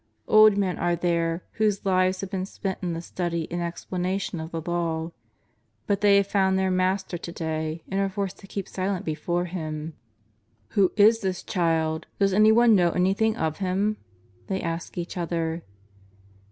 Old men are there whose lives have been spent in the study and explanation of the Law. But they have found their Master to day and are forced to keep silence before Him. " Who is this Child ? Does anyone know anything of Him ?" they ask each other.